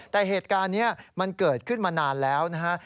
แต่เหตุการณ์นี้มันเกิดขึ้นมานานแล้วนะฮะ